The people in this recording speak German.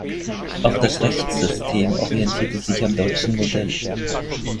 Auch das Rechtssystem orientierte sich am deutschen Modell.